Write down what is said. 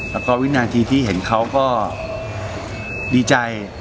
หน้าที่ที่เห็นเขาก็ดีใจ